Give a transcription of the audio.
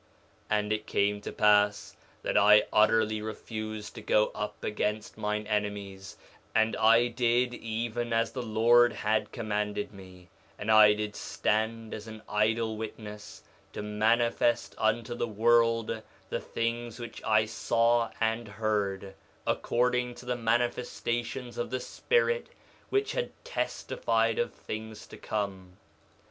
3:16 And it came to pass that I utterly refused to go up against mine enemies; and I did even as the Lord had commanded me; and I did stand as an idle witness to manifest unto the world the things which I saw and heard, according to the manifestations of the Spirit which had testified of things to come.